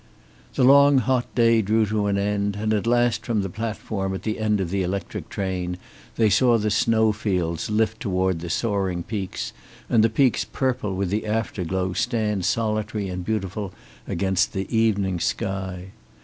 The long hot day drew to an end, and at last from the platform at the end of the electric train they saw the snow fields lift toward the soaring peaks, and the peaks purple with the after glow stand solitary and beautiful against the evening sky.